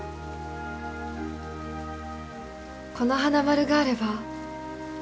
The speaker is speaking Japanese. この花丸があれば